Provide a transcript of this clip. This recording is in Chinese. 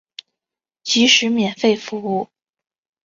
即使免费服务